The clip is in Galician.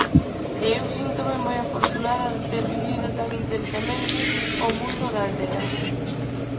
E eu síntome moi afortunada de ter vivido tan intensamente o mundo da aldea.